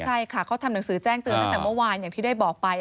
ใช่ค่ะเขาทำหนังสือแจ้งเตือนตั้งแต่เมื่อวานอย่างที่ได้บอกไป